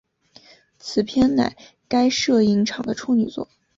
此片乃该摄影场的处女作。